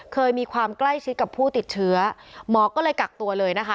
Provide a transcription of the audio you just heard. เคยมีความใกล้ชิดกับผู้ติดเชื้อหมอก็เลยกักตัวเลยนะคะ